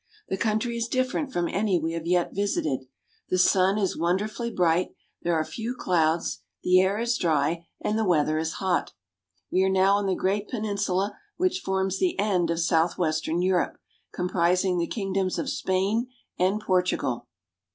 The country is different from any we have yet visited. The sun is wonderfully bright ; there are few clouds; the air is dry, and the weather is hot. We are now on the great peninsula which forms the end of south western Europe, comprising the kingdoms of Spain and Portugal.